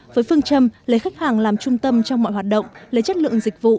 với phương châm lấy khách hàng làm trung tâm trong mọi hoạt động lấy chất lượng dịch vụ